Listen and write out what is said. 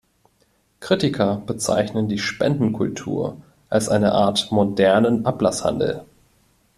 Kritiker bezeichnen die Spendenkultur als eine Art modernen Ablasshandel.